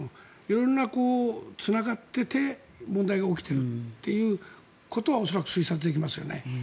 色んな、つながってて問題が起きているということは恐らく推察できますよね。